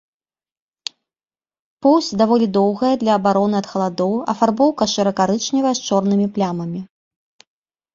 Поўсць даволі доўгая для абароны ад халадоў, афарбоўка шэра-карычневая з чорнымі плямамі.